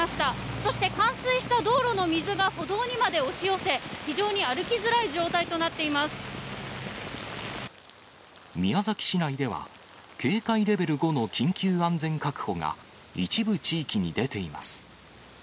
そして冠水した道路の水が歩道にまで押し寄せ、非常に歩きづらい宮崎市内では、警戒レベル５の緊急安全確保が、一部地域に出ています。